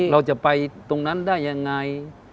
เราจะไปตรงนั้นได้ยังไง